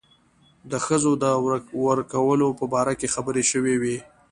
د ښځو د ورکولو په باره کې خبرې شوې وې.